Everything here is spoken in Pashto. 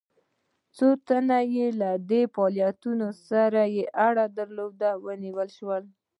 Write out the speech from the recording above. یو څو تنه چې له دې فعالیتونو سره یې اړه درلوده ونیول شول.